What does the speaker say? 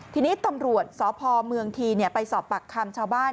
ทีนี้ตำรวจสพเมืองทีไปสอบปากคำชาวบ้าน